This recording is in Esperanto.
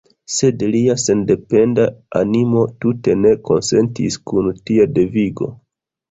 Sed lia sendependa animo tute ne konsentis kun tia devigo.